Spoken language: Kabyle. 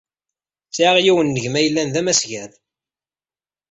Sɛiɣ yiwen n gma yellan d amasgad.